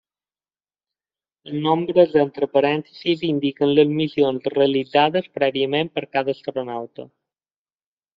Els nombres entre parèntesis indiquen les missions realitzades prèviament per cada astronauta.